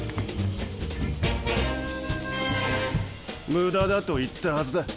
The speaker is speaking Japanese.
無駄だと言ったはずだ。